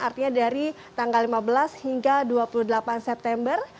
artinya dari tanggal lima belas hingga dua puluh delapan september